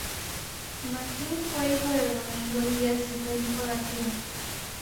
Magín fue hijo de Domingo Díaz y Felipa García.